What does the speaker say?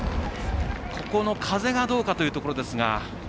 ここの風がどうかというところですが。